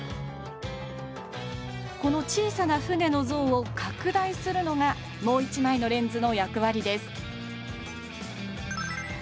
この小さな船の像を拡大するのがもう一枚のレンズの役割です